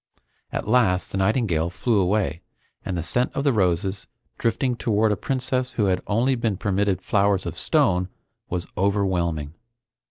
At last the nightingale flew away, and the scent of the roses, drifting toward a princess who had only been permitted flowers of stone, was overwhelming.